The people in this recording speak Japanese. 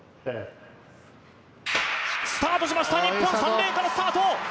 スタートしました、日本、３レーンからスタート。